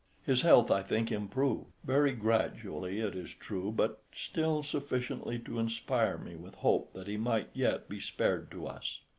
His health, I think, improved; very gradually, it is true, but still sufficiently to inspire me with hope that he might yet be spared to us.